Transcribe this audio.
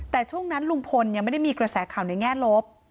แต่ช่วงนั้นลุงพลยังไม่ได้มีกระแสข่าวในแง่ลบ